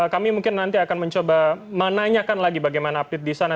kami mungkin nanti akan mencoba menanyakan lagi bagaimana update di sana